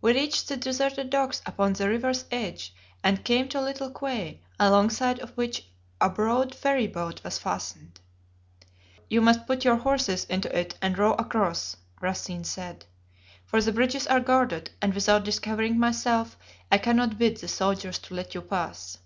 We reached the deserted docks upon the river's edge and came to a little quay, alongside of which a broad ferryboat was fastened. "You must put your horses into it and row across," Rassen said, "for the bridges are guarded, and without discovering myself I cannot bid the soldiers to let you pass."